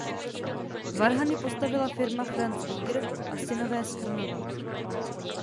Varhany postavila firma Franz Rieger a synové z Krnova.